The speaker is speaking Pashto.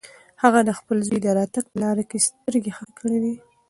هغه د خپل زوی د راتګ په لاره کې سترګې خښې کړې وې.